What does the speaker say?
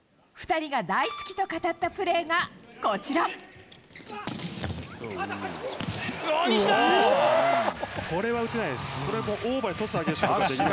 ２人が大好きと語ったプレーうおー、西田！